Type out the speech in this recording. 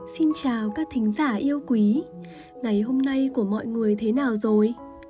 xin chào các thính giả yêu quý ngày hôm nay của mọi người thế nào rồi